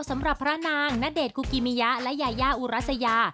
สำหรับพระนางณเดชนคุกิมิยะและยายาอุรัสยา